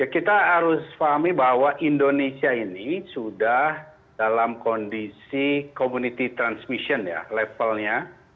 kita harus pahami bahwa indonesia ini sudah dalam kondisi community transmission ya levelnya